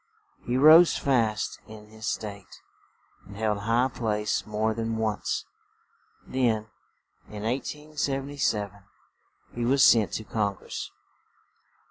He rose fast in his state, and held high place more than once; then, in 1877, he was sent to Congress.